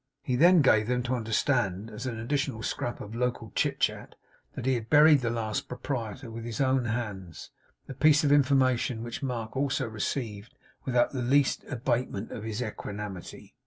He then gave them to understand, as an additional scrap of local chit chat, that he had buried the last proprietor with his own hands; a piece of information which Mark also received without the least abatement of his equanimity.